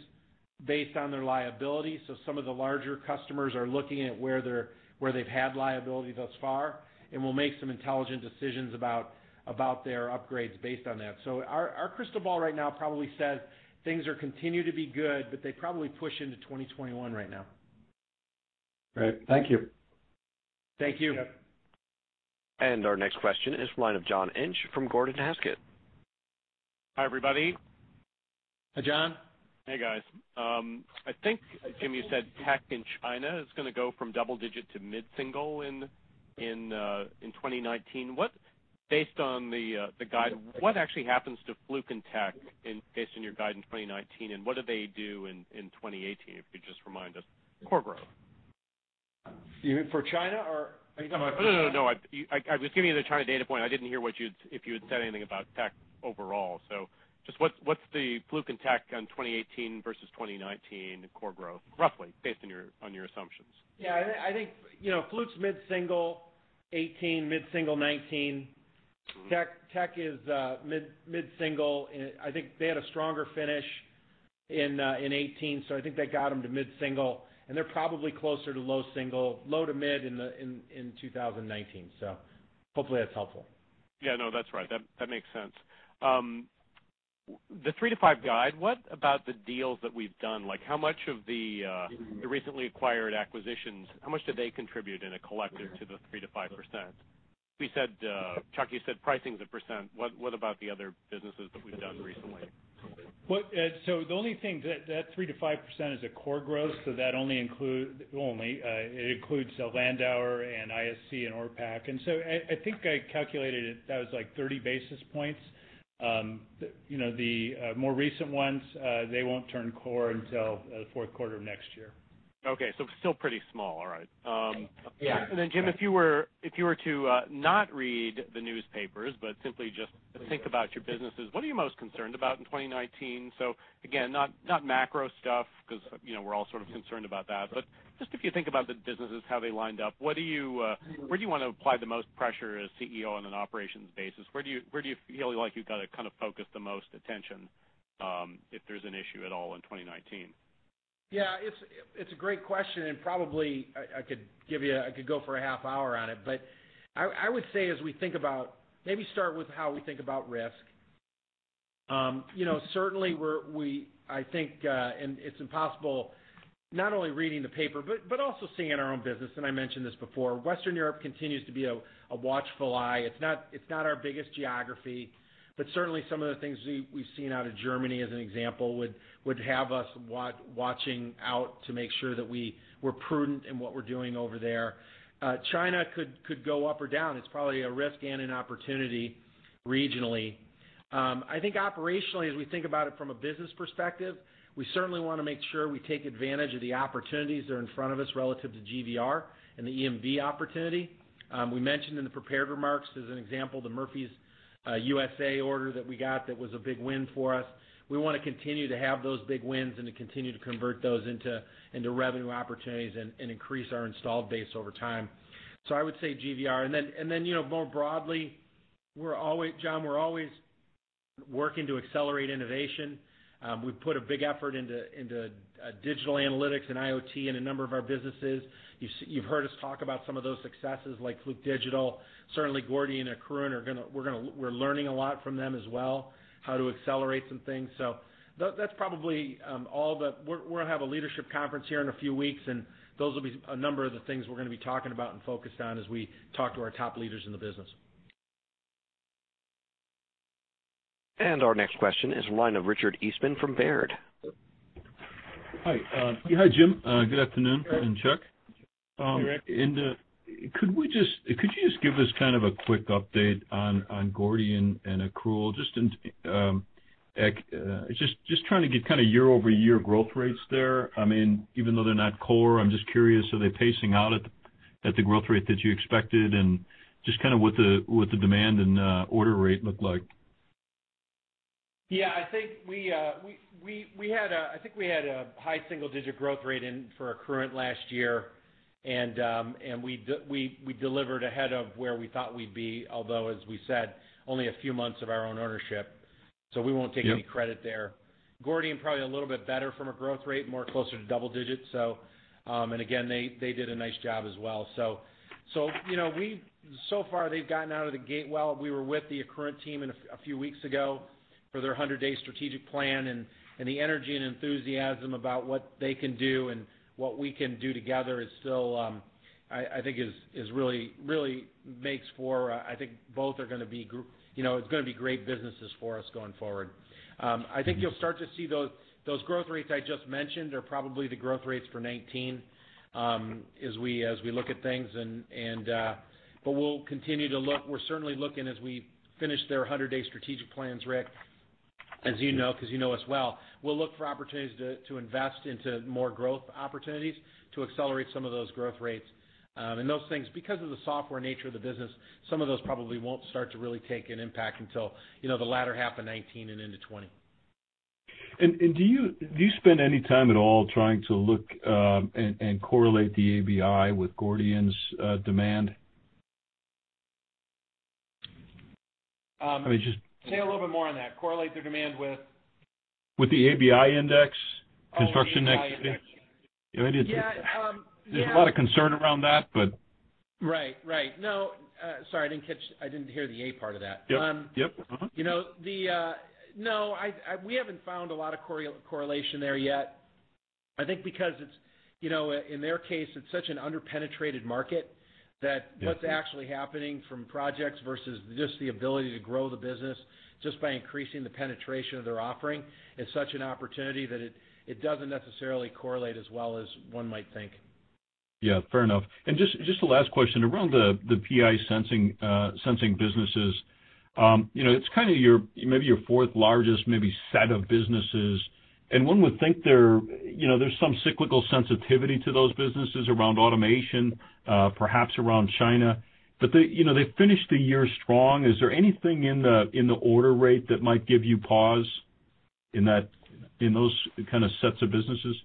based on their liability. Some of the larger customers are looking at where they've had liability thus far and will make some intelligent decisions about their upgrades based on that. Our crystal ball right now probably says things are continuing to be good, but they probably push into 2021 right now. Great. Thank you. Thank you. Thanks, Jeff. Our next question is from the line of John Inch from Gordon Haskett. Hi, everybody. Hi, John. Hey, guys. I think, Jim, you said Tech in China is going to go from double-digit to mid-single in 2019. Based on the guide, what actually happens to Fluke and Tech based on your guide in 2019, and what do they do in 2018? If you could just remind us. Core growth. You mean for China? Are you talking about for China? No, I was giving you the China data point. I didn't hear if you had said anything about Tech overall. What's the Fluke and Tech on 2018 versus 2019 core growth, roughly, based on your assumptions? I think Fluke's mid-single 2018, mid-single 2019. Tech is mid-single. I think they had a stronger finish in 2018, so I think that got them to mid-single, and they're probably closer to low single, low to mid in 2019. Hopefully that's helpful. Yeah, no, that's right. That makes sense. The 3%-5% guide, what about the deals that we've done? Like how much of the recently acquired acquisitions, how much do they contribute in a collective to the 3%-5%? Chuck, you said pricing's 1%. What about the other businesses that we've done recently? The only thing, that 3%-5% is a core growth. That only includes Landauer and ISC and Orpak. I think I calculated it. That was like 30 basis points. The more recent ones, they won't turn core until the fourth quarter of next year. Okay, still pretty small. All right. Yeah. Jim, if you were to not read the newspapers, but simply just think about your businesses, what are you most concerned about in 2019? Again, not macro stuff because we're all sort of concerned about that, but just if you think about the businesses, how they lined up, where do you want to apply the most pressure as CEO on an operations basis? Where do you feel like you've got to kind of focus the most attention, if there's an issue at all in 2019? Yeah, it's a great question. Probably I could go for a half hour on it. I would say as we think about, maybe start with how we think about risk. Certainly, I think, it's impossible not only reading the paper, but also seeing in our own business. I mentioned this before, Western Europe continues to be a watchful eye. It's not our biggest geography, but certainly some of the things we've seen out of Germany, as an example, would have us watching out to make sure that we're prudent in what we're doing over there. China could go up or down. It's probably a risk and an opportunity regionally. I think operationally, as we think about it from a business perspective, we certainly want to make sure we take advantage of the opportunities that are in front of us relative to GVR and the EMV opportunity. We mentioned in the prepared remarks, as an example, the Murphy U.S.A. order that we got, that was a big win for us. We want to continue to have those big wins and to continue to convert those into revenue opportunities and increase our installed base over time. I would say GVR, and then more broadly, John, we're always working to accelerate innovation. We've put a big effort into digital analytics and IoT in a number of our businesses. You've heard us talk about some of those successes, like Fluke Digital. Certainly Gordian and Accruent, we're learning a lot from them as well, how to accelerate some things. We're going to have a leadership conference here in a few weeks. Those will be a number of the things we're going to be talking about and focused on as we talk to our top leaders in the business. Our next question is the line of Richard Eastman from Baird. Hi, Jim. Good afternoon, and Chuck. Hey, Rick. Could you just give us kind of a quick update on Gordian and Accruent? Just trying to get kind of year-over-year growth rates there. Even though they're not core, I'm just curious, are they pacing out at the growth rate that you expected, and just kind of what the demand and order rate look like? Yeah, I think we had a high single-digit growth rate in for Accruent last year, and we delivered ahead of where we thought we'd be, although, as we said, only a few months of our own ownership. We won't take any credit there. Gordian, probably a little bit better from a growth rate, more closer to double digits. Again, they did a nice job as well. Far they've gotten out of the gate well. We were with the Accruent team a few weeks ago for their 100-day strategic plan, and the energy and enthusiasm about what they can do and what we can do together I think really makes for, I think both are going to be great businesses for us going forward. I think you'll start to see those growth rates I just mentioned are probably the growth rates for 2019 as we look at things. We'll continue to look. We're certainly looking as we finish their 100-day strategic plans, Rick, as you know, because you know us well. We'll look for opportunities to invest into more growth opportunities to accelerate some of those growth rates. Those things, because of the software nature of the business, some of those probably won't start to really take an impact until the latter half of 2019 and into 2020. Do you spend any time at all trying to look and correlate the ABI with Gordian's demand? Say a little bit more on that. Correlate their demand with? With the ABI index, construction index. Oh, the ABI index. Yeah. There's a lot of concern around that, but Right. No, sorry, I didn't hear the A part of that. Yep. Mm-hmm. No, we haven't found a lot of correlation there yet, I think because, in their case, it's such an under-penetrated market that what's actually happening from projects versus just the ability to grow the business just by increasing the penetration of their offering is such an opportunity that it doesn't necessarily correlate as well as one might think. Yeah, fair enough. Just the last question. Around the PI sensing businesses. It's kind of maybe your fourth largest, maybe set of businesses. One would think there's some cyclical sensitivity to those businesses around automation, perhaps around China. They finished the year strong. Is there anything in the order rate that might give you pause in those kind of sets of businesses?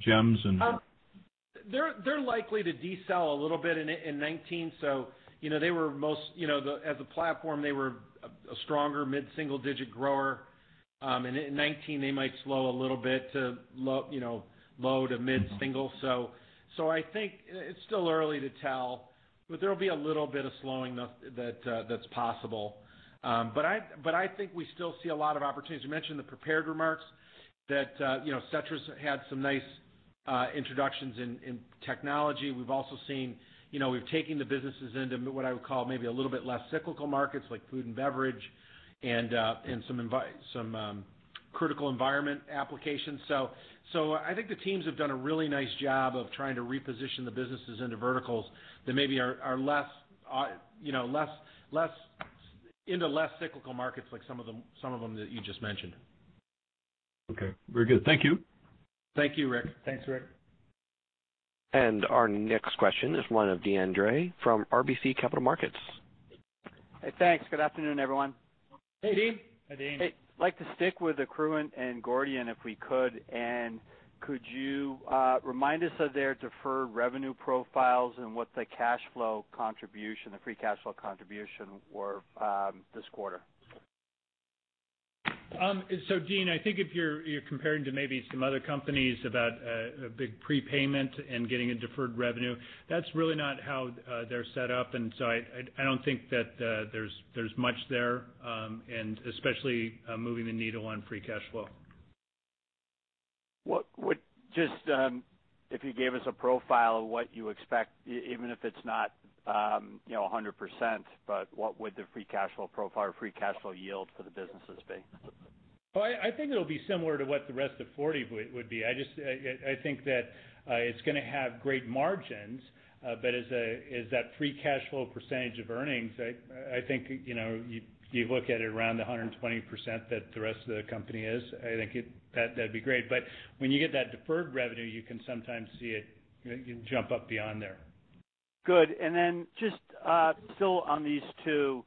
Gems. They're likely to de-sell a little bit in 2019. As a platform, they were a stronger mid-single digit grower. In 2019, they might slow a little bit to low to mid-single. I think it's still early to tell, but there'll be a little bit of slowing that's possible. I think we still see a lot of opportunities. You mentioned in the prepared remarks that Setra had some nice introductions in technology. We've also seen we've taken the businesses into what I would call maybe a little bit less cyclical markets, like food and beverage and some critical environment applications. I think the teams have done a really nice job of trying to reposition the businesses into verticals that maybe are into less cyclical markets, like some of them that you just mentioned. Okay. Very good. Thank you. Thank you, Rick. Thanks, Rick. Our next question is the line of Deane Dray from RBC Capital Markets. Hey, thanks. Good afternoon, everyone. Hey, Deane. Hi, Deane. I'd like to stick with Accruent and Gordian, if we could. Could you remind us of their deferred revenue profiles and what the cash flow contribution, the free cash flow contribution were this quarter? Deane, I think if you're comparing to maybe some other companies about a big prepayment and getting a deferred revenue, that's really not how they're set up. I don't think that there's much there, and especially moving the needle on free cash flow. Just if you gave us a profile of what you expect, even if it's not 100%, but what would the free cash flow profile or free cash flow yield for the businesses be? I think it'll be similar to what the rest of Fortive would be. I think that it's going to have great margins. As that free cash flow percentage of earnings, I think you look at it around the 120% that the rest of the company is. I think that would be great. When you get that deferred revenue, you can sometimes see it jump up beyond there. Good. Then just still on these two,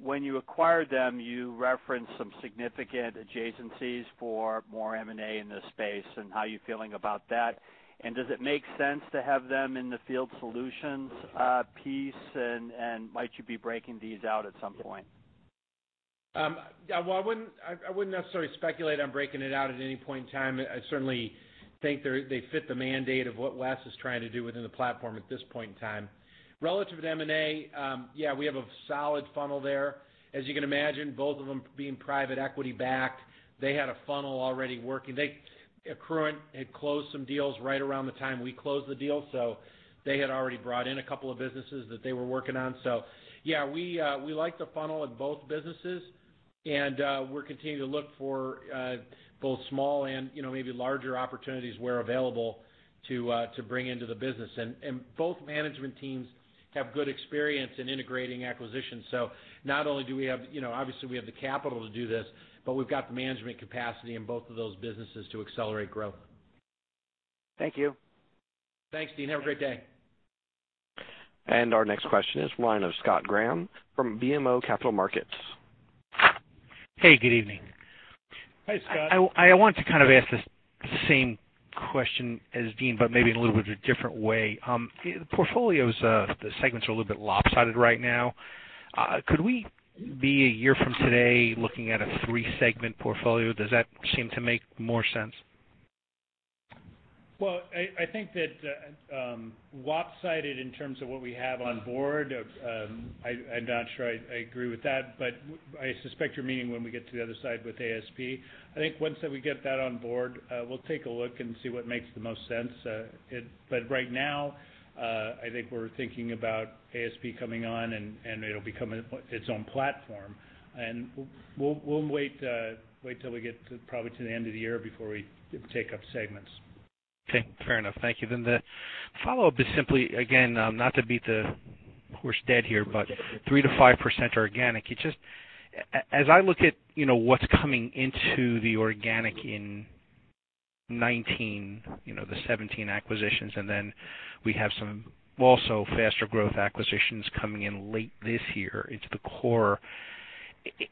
when you acquired them, you referenced some significant adjacencies for more M&A in this space, and how you feeling about that? Does it make sense to have them in the field solutions piece? Might you be breaking these out at some point? I wouldn't necessarily speculate on breaking it out at any point in time. I certainly think they fit the mandate of what Wes is trying to do within the platform at this point in time. Relative to M&A, yeah, we have a solid funnel there. As you can imagine, both of them being private equity backed, they had a funnel already working. Accruent had closed some deals right around the time we closed the deal, so they had already brought in a couple of businesses that they were working on. Yeah, we like the funnel at both businesses, and we're continuing to look for both small and maybe larger opportunities where available to bring into the business. Both management teams have good experience in integrating acquisitions. Not only obviously, we have the capital to do this, but we've got the management capacity in both of those businesses to accelerate growth. Thank you. Thanks, Deane. Have a great day. Our next question is the line of Scott Graham from BMO Capital Markets. Hey, good evening. Hi, Scott. I want to kind of ask the same question as Deane, but maybe in a little bit of a different way. The portfolios, the segments are a little bit lopsided right now. Could we be one year from today looking at a three-segment portfolio? Does that seem to make more sense? Well, I think that lopsided in terms of what we have on board, I'm not sure I agree with that, but I suspect you're meaning when we get to the other side with ASP. I think once we get that on board, we'll take a look and see what makes the most sense. Right now, I think we're thinking about ASP coming on, and it'll become its own platform. We'll wait till we get probably to the end of the year before we take up segments. Okay. Fair enough. Thank you. The follow-up is simply, again, not to beat the horse dead here, but 3%-5% organic. As I look at what's coming into the organic in 2019, the 17 acquisitions, and then we have some also faster growth acquisitions coming in late this year into the core.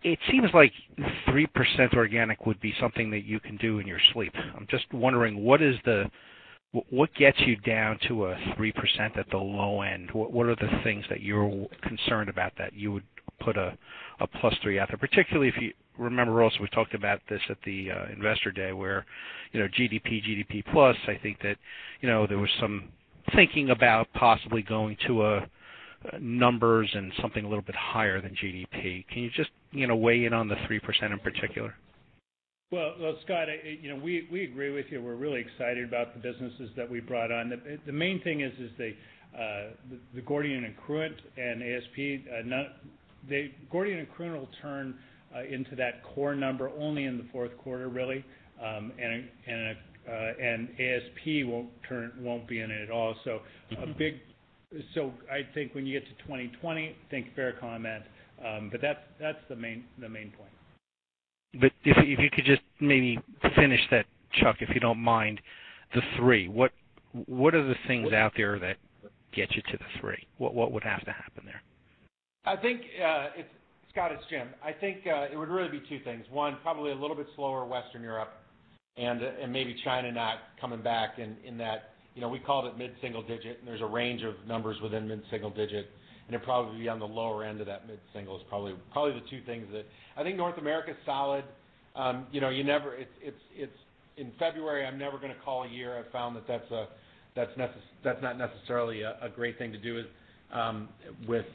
It seems like 3% organic would be something that you can do in your sleep. I'm just wondering, what gets you down to a 3% at the low end? What are the things that you're concerned about that you would put a plus three out there? Particularly if you remember also, we talked about this at the Investor Day where GDP+, I think that there was some thinking about possibly going to numbers and something a little bit higher than GDP. Can you just weigh in on the 3% in particular? Scott, we agree with you. We're really excited about the businesses that we brought on. The main thing is the Gordian and Accruent and ASP. Gordian and Accruent will turn into that core number only in the fourth quarter, really. ASP won't be in it at all. I think when you get to 2020, I think fair comment, but that's the main point. If you could just maybe finish that, Chuck, if you don't mind, the three. What are the things out there that get you to the three? What would have to happen there? Scott, it's Jim. I think it would really be two things. One, probably a little bit slower Western Europe, and maybe China not coming back in that, we called it mid-single digit, and there's a range of numbers within mid-single digit, and it'd probably be on the lower end of that mid-single is probably the two things that. I think North America is solid. In February, I'm never going to call a year. I've found that that's not necessarily a great thing to do with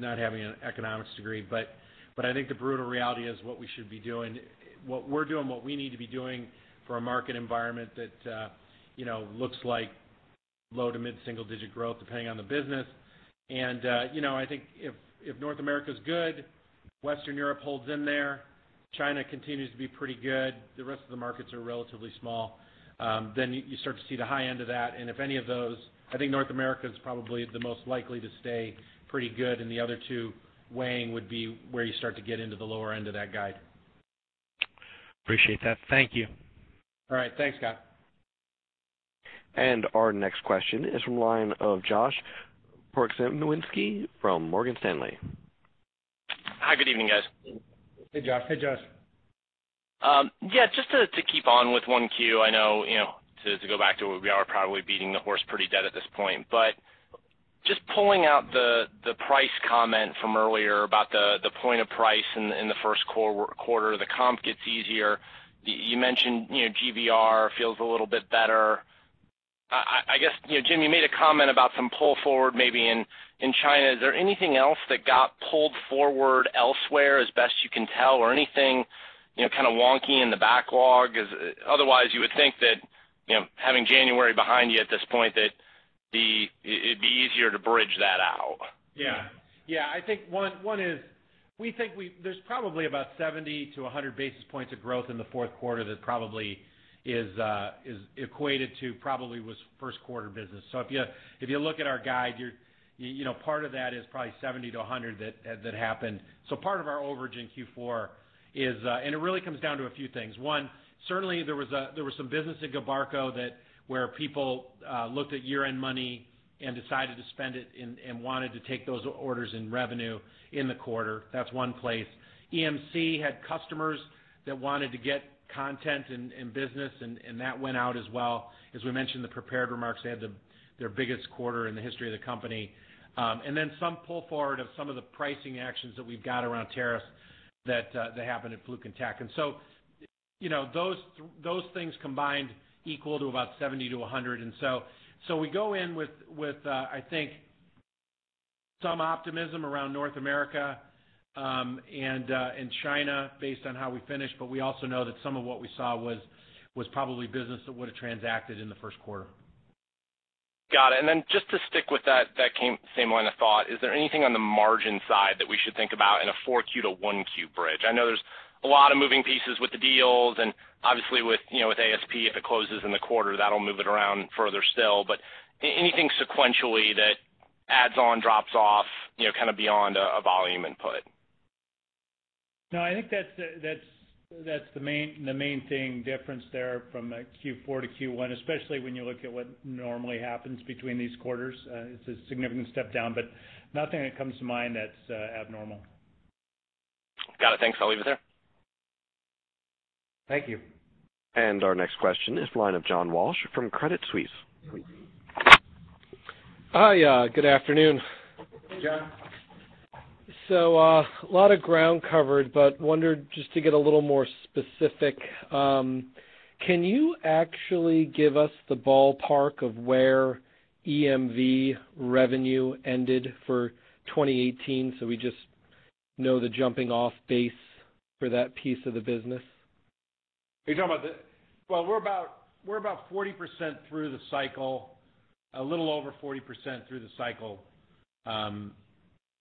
not having an economics degree. I think the brutal reality is what we should be doing, what we're doing, what we need to be doing for a market environment that looks like low to mid-single digit growth, depending on the business. I think if North America is good, Western Europe holds in there, China continues to be pretty good. The rest of the markets are relatively small. You start to see the high end of that, and if any of those, I think North America is probably the most likely to stay pretty good, and the other two weighing would be where you start to get into the lower end of that guide. Appreciate that. Thank you. All right. Thanks, Scott. Our next question is from the line of Josh Pokrzywinski from Morgan Stanley. Hi, good evening, guys. Hey, Josh. Hey, Josh. Yeah, just to keep on with 1Q, I know, to go back to where we are, probably beating the horse pretty dead at this point. Just pulling out the price comment from earlier about the point of price in the first quarter, the comp gets easier. You mentioned GVR feels a little bit better. I guess, Jim, you made a comment about some pull forward maybe in China. Is there anything else that got pulled forward elsewhere as best you can tell? Anything kind of wonky in the backlog? Otherwise, you would think that having January behind you at this point, that it would be easier to bridge that out. Yeah. I think one is, there is probably about 70 basis points-100 basis points of growth in the fourth quarter that probably is equated to probably was first quarter business. If you look at our guide, part of that is probably 70 basis points-100 basis points that happened. Part of our overage in Q4, and it really comes down to a few things. One, certainly there was some business at Gilbarco where people looked at year-end money and decided to spend it and wanted to take those orders in revenue in the quarter. That is one place. EMC had customers that wanted to get content and business, and that went out as well. As we mentioned in the prepared remarks, they had their biggest quarter in the history of the company. Some pull forward of some of the pricing actions that we've got around tariffs that happened at Fluke and Tek. Those things combined equal to about 70 basis points-100 basis points. We go in with, I think some optimism around North America and in China based on how we finished, but we also know that some of what we saw was probably business that would have transacted in the first quarter. Got it. Just to stick with that same line of thought, is there anything on the margin side that we should think about in a 4Q to 1Q bridge? I know there's a lot of moving pieces with the deals and obviously with ASP, if it closes in the quarter, that'll move it around further still. Anything sequentially that adds on, drops off, kind of beyond a volume input? No, I think that's the main difference there from Q4 to Q1, especially when you look at what normally happens between these quarters. It's a significant step down, but nothing that comes to mind that's abnormal. Got it. Thanks. I'll leave it there. Thank you. Our next question is the line of John Walsh from Credit Suisse. Hi, good afternoon. Hey, John. A lot of ground covered, but wondered just to get a little more specific. Can you actually give us the ballpark of where EMV revenue ended for 2018 so we just know the jumping off base for that piece of the business? Are you talking about the We're about 40% through the cycle, a little over 40% through the cycle,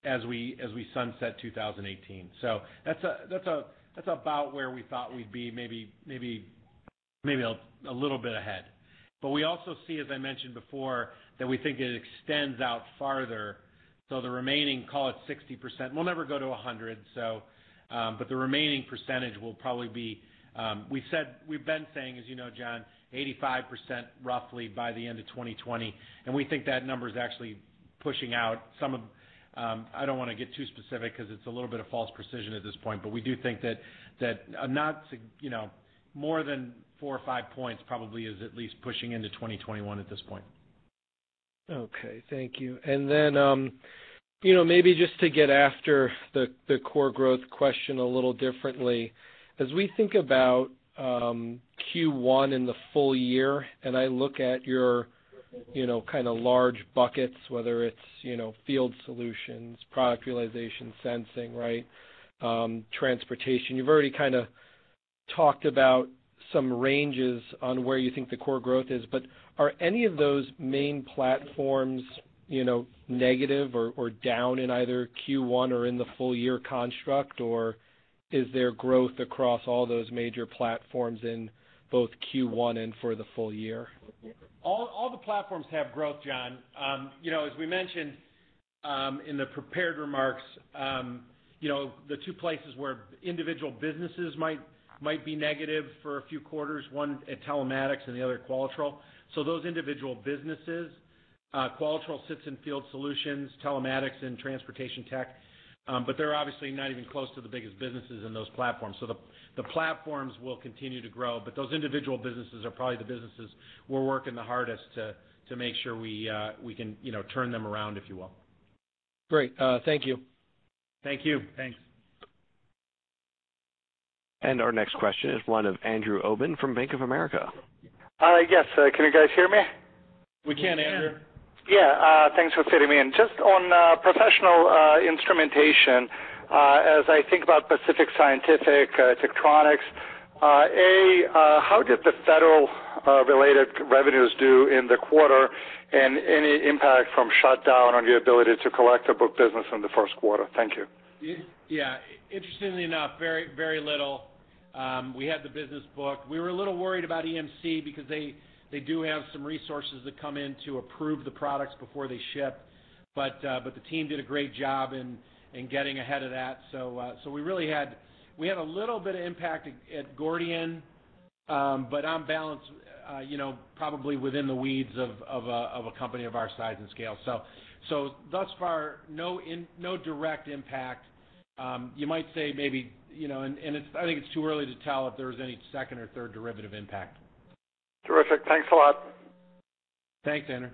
as we sunset 2018. That's about where we thought we'd be, maybe a little bit ahead. We also see, as I mentioned before, that we think it extends out farther. The remaining, call it 60%, will never go to 100%. The remaining percentage will probably be, we've been saying, as you know John, 85% roughly by the end of 2020, and we think that number is actually pushing out. I don't want to get too specific because it's a little bit of false precision at this point, but we do think that more than four or five points probably is at least pushing into 2021 at this point. Okay, thank you. Maybe just to get after the core growth question a little differently. As we think about Q1 in the full year, and I look at your kind of large buckets, whether it's field solutions, product realization, Sensing, Transportation. You've already kind of talked about some ranges on where you think the core growth is, but are any of those main platforms negative or down in either Q1 or in the full year construct, or is there growth across all those major platforms in both Q1 and for the full year? All the platforms have growth, John. As we mentioned in the prepared remarks, the two places where individual businesses might be negative for a few quarters, one, telematics and the other Qualitrol. Those individual businesses, Qualitrol sits in field solutions, telematics and Transportation Tech, they're obviously not even close to the biggest businesses in those platforms. The platforms will continue to grow, those individual businesses are probably the businesses we're working the hardest to make sure we can turn them around, if you will. Great. Thank you. Thank you. Our next question is the line of Andrew Obin from Bank of America. Yes. Can you guys hear me? We can, Andrew. Yeah, thanks for fitting me in. Just on professional instrumentation. As I think about Pacific Scientific, Tektronix. A, how did the federal-related revenues do in the quarter, and any impact from shutdown on the ability to collect or book business in the first quarter? Thank you. Yeah. Interestingly enough, very little. We had the business booked. We were a little worried about EMC because they do have some resources that come in to approve the products before they ship. The team did a great job in getting ahead of that. We had a little bit of impact at Gordian, on balance, probably within the weeds of a company of our size and scale. Thus far, no direct impact. You might say maybe, and I think it's too early to tell if there was any second or third derivative impact. Terrific. Thanks a lot. Thanks, Andrew.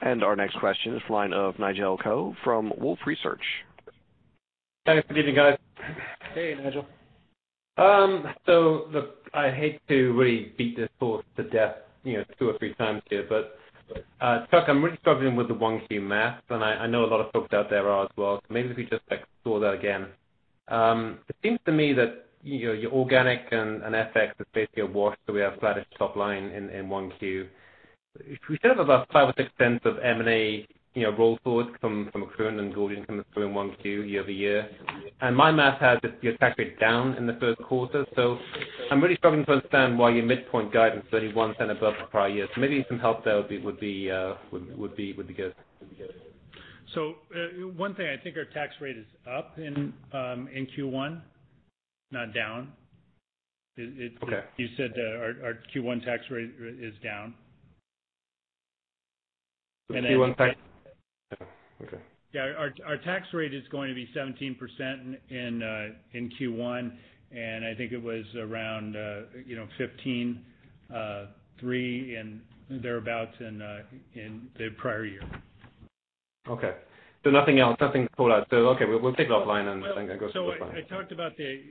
Our next question is the line of Nigel Coe from Wolfe Research. Thanks. Good evening, guys. Hey, Nigel. Look, I hate to really beat this horse to death two or three times here, but Chuck, I'm really struggling with the 1Q math, and I know a lot of folks out there are as well. Maybe if you just explore that again. It seems to me that your organic and FX is basically a wash, so we have flattish top line in 1Q. If we set up about $0.05 Or $0.06 of M&A roll forward from Accruent and Gordian coming through in 1Q year-over-year, and my math has your tax rate down in the first quarter. I'm really struggling to understand why your midpoint guidance is only $0.01 above the prior year. Maybe some help there would be good. One thing, I think our tax rate is up in Q1, not down. Okay. You said our Q1 tax rate is down. Q1 Okay. Our tax rate is going to be 17% in Q1, and I think it was around 15.3% and thereabouts in the prior year. Okay. Nothing else, nothing to pull out. Okay, we'll take it offline and I can go through this line. I talked about the.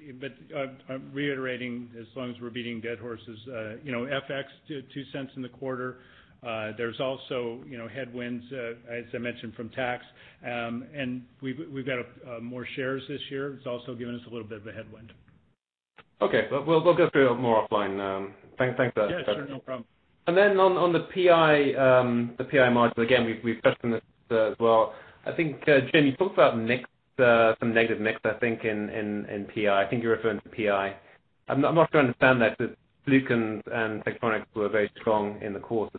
I'm reiterating, as long as we're beating dead horses, FX $0.02 in the quarter. There's also headwinds, as I mentioned, from tax. We've got more shares this year. It's also given us a little bit of a headwind. Okay. We'll go through it more offline. Thanks. Yeah, sure. No problem. On the PI module, again, we've touched on this as well. I think, Jim, you talked about some negative mix, I think, in PI. I think you're referring to PI. I'm not sure I understand that, because Fluke and Tektronix were very strong in the quarter.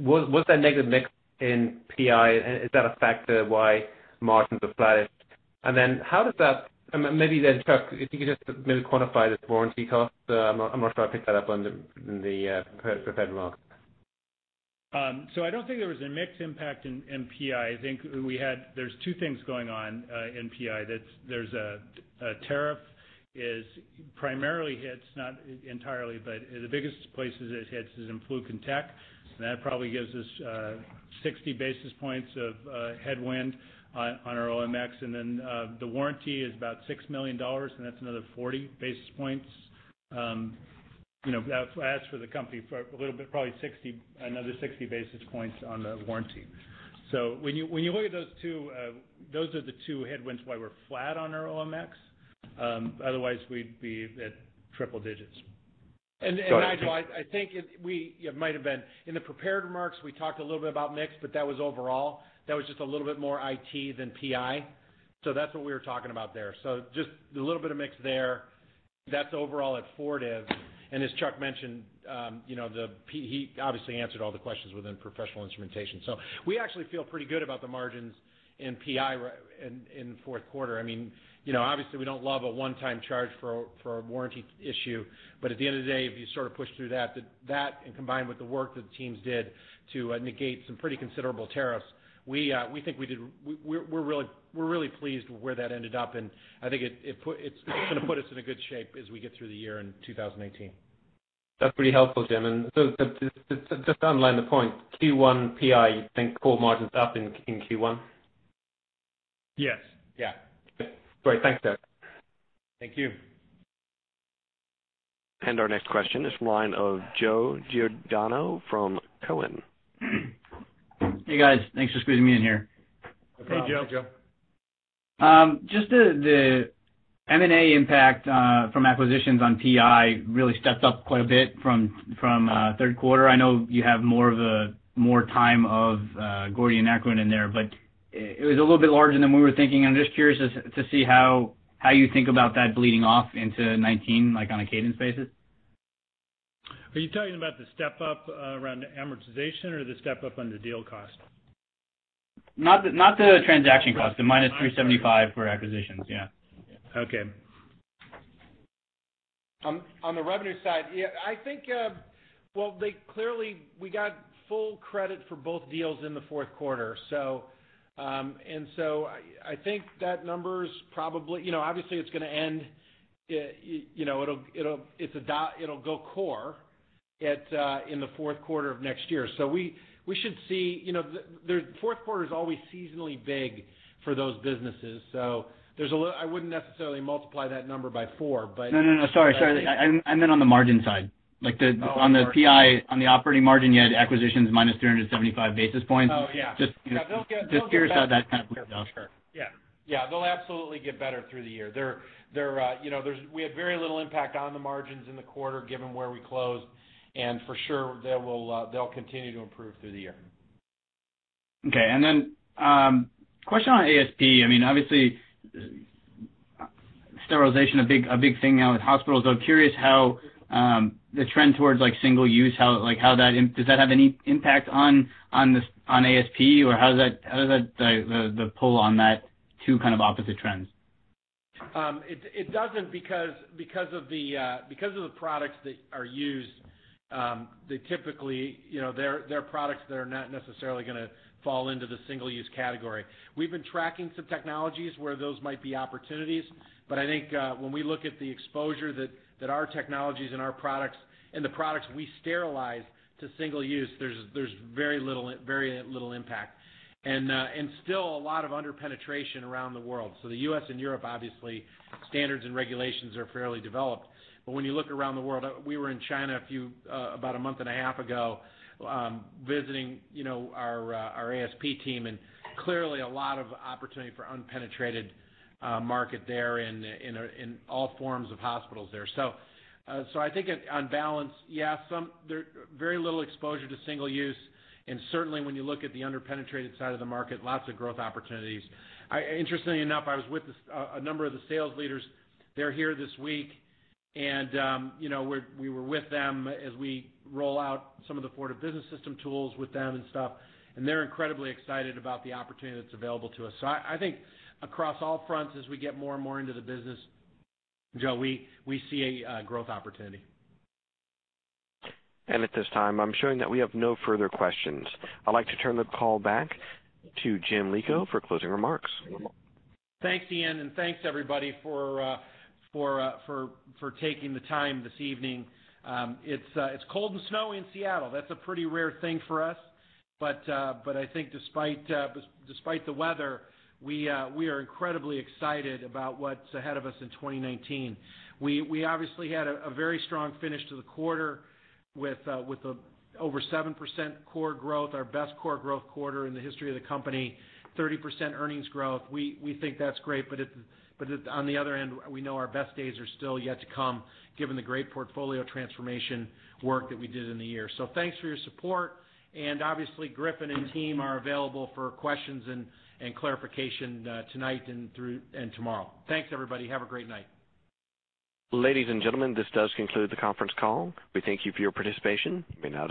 Was that negative mix in PI, is that a factor why margins are flattish? Then, Chuck, if you could just maybe quantify this warranty cost. I'm not sure I picked that up on the prepared remarks. I don't think there was a mixed impact in PI. I think there's two things going on in PI. There's a tariff is primarily hits, not entirely, but the biggest places it hits is in Fluke and Tek, and that probably gives us 60 basis points of headwind on our OMX. The warranty is about $6 million, and that's another 40 basis points. That's for the company, for a little bit, probably 60 basis points, another 60 basis points on the warranty. When you look at those two, those are the two headwinds why we're flat on our OMX. Otherwise, we'd be at triple digits. Nigel, I think it might have been in the prepared remarks, we talked a little bit about mix, but that was overall. That was just a little bit more IT than PI. That's what we were talking about there. Just a little bit of mix there. That's overall at Fortive. As Chuck mentioned, he obviously answered all the questions within Professional Instrumentation. We actually feel pretty good about the margins in PI in the fourth quarter. Obviously, we don't love a one-time charge for a warranty issue. At the end of the day, if you sort of push through that, and combined with the work that the teams did to negate some pretty considerable tariffs, we're really pleased with where that ended up. I think it's going to put us in a good shape as we get through the year in 2018. That's pretty helpful, Jim. Just to underline the point, Q1 PI, you think core margins up in Q1? Yes. Yeah. Great. Thanks, guys. Thank you. Our next question is from the line of Joe Giordano from Cowen. Hey, guys. Thanks for squeezing me in here. Hey, Joe. Hey, Joe. Just the M&A impact from acquisitions on PI really stepped up quite a bit from third quarter. I know you have more time of Gordian Accruent in there, but it was a little bit larger than we were thinking. I'm just curious to see how you think about that bleeding off into 2019, like on a cadence basis. Are you talking about the step-up around amortization or the step-up on the deal cost? Not the transaction cost, the -375 basis points for acquisitions, yeah. Okay. On the revenue side. I think, well, clearly we got full credit for both deals in the fourth quarter. I think that number's probably Obviously, it's going to end, it'll go core in the fourth quarter of next year. We should see. The fourth quarter is always seasonally big for those businesses. I wouldn't necessarily multiply that number by four, but. No, sorry. I meant on the margin side. Like on the PI, on the operating margin, you had acquisitions -375 basis points. Oh, yeah. Just curious how that kind of plays out. Yeah. They'll absolutely get better through the year. We had very little impact on the margins in the quarter, given where we closed, for sure, they'll continue to improve through the year. Okay. Question on ASP. Obviously, sterilization a big thing now with hospitals. I was curious how the trend towards single use, does that have any impact on ASP? How does the pull on that two kind of opposite trends? It doesn't because of the products that are used. They're typically products that are not necessarily going to fall into the single-use category. We've been tracking some technologies where those might be opportunities. I think when we look at the exposure that our technologies and our products and the products we sterilize to single use, there's very little impact and still a lot of under-penetration around the world. The U.S. and Europe, obviously, standards and regulations are fairly developed. When you look around the world, we were in China about a month and a half ago, visiting our ASP team, and clearly a lot of opportunity for unpenetrated market there in all forms of hospitals there. I think on balance, yeah, very little exposure to single use, and certainly when you look at the under-penetrated side of the market, lots of growth opportunities. Interestingly enough, I was with a number of the sales leaders. They're here this week, and we were with them as we roll out some of the Fortive Business System tools with them and stuff, and they're incredibly excited about the opportunity that's available to us. I think across all fronts, as we get more and more into the business, Joe, we see a growth opportunity. At this time, I'm showing that we have no further questions. I'd like to turn the call back to Jim Lico for closing remarks. Thanks, Ian, and thanks everybody for taking the time this evening. It's cold and snowy in Seattle. That's a pretty rare thing for us. I think despite the weather, we are incredibly excited about what's ahead of us in 2019. We obviously had a very strong finish to the quarter with over 7% core growth, our best core growth quarter in the history of the company, 30% earnings growth. We think that's great, on the other end, we know our best days are still yet to come given the great portfolio transformation work that we did in the year. Thanks for your support, and obviously, Griffin and team are available for questions and clarification tonight and tomorrow. Thanks, everybody. Have a great night. Ladies and gentlemen, this does conclude the conference call. We thank you for your participation. You may now disconnect.